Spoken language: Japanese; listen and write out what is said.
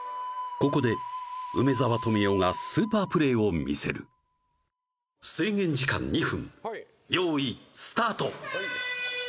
ここで梅沢富美男がスーパープレーを見せる制限時間２分よーいスタート